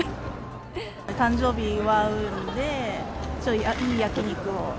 誕生日を祝うんで、ちょっといい焼き肉を。